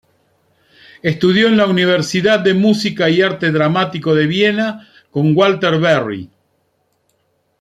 Estudió en la Universidad de Música y Arte Dramático de Viena con Walter Berry.